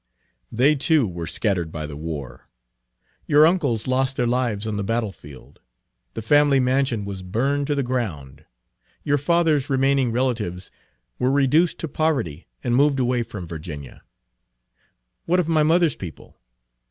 "They, too, were scattered by the war. Your uncles lost their lives on the battlefield. The family mansion was burned to the ground. Your father's remaining relatives were reduced to poverty, and moved away from Virginia." "What of my mother's people?"